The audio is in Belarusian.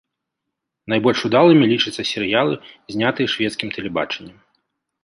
Найбольш удалымі лічацца серыялы, знятыя шведскім тэлебачаннем.